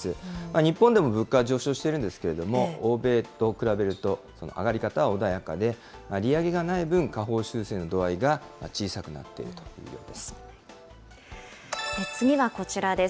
日本でも物価は上昇しているんですけれども、欧米と比べると、上がり方は穏やかで、利上げがない分、下方修正の度合いが小さくな次はこちらです。